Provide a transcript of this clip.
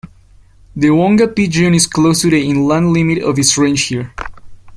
The wonga pigeon is close to the inland limit of its range here.